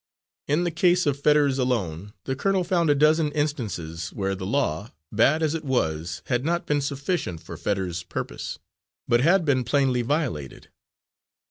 In the case of Fetters alone the colonel found a dozen instances where the law, bad as it was, had not been sufficient for Fetters's purpose, but had been plainly violated.